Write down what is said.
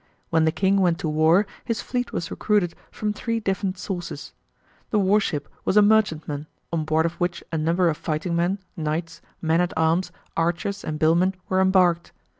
When the King went to war his fleet was recruited from three different sources. The warship was a merchantman, on board of which a number of fighting men, knights, men at arms, archers and billmen were embarked.